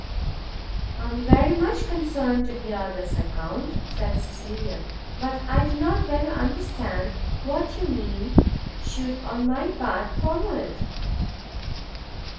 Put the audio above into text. "I am very much concerned to hear this account," said Cecilia; "but I do not well understand what you mean should on my part follow it?"